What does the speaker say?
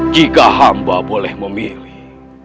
jika hamba boleh memilih